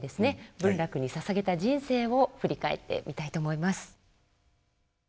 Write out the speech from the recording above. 文楽にささげた人生を振り返ってみたいと思います。